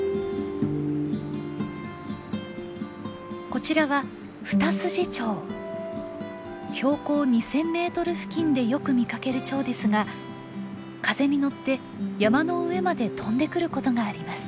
こちらは標高２，０００メートル付近でよく見かけるチョウですが風に乗って山の上まで飛んでくることがあります。